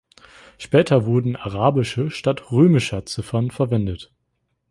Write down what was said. Später wurden arabische statt römischer Ziffern verwendet.